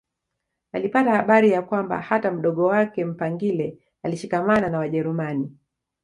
Alipata habari ya kwamba hata mdogo wake Mpangile alishikamana na Wajerumani